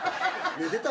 寝てた？